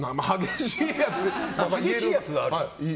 激しいやつあるよ。